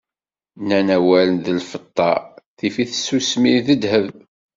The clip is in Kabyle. Nnan awal d lfeṭṭa, tif-it tsusmi, d ddheb.